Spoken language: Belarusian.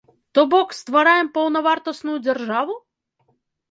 То бок, ствараем паўнавартасную дзяржаву?